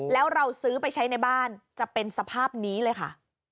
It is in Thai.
แล้วเราซื้อไปใช้ในบ้านจะเป็นสภาพนี้เลยค่ะ